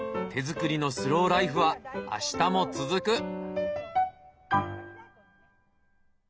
手作りのスローライフは明日も続く。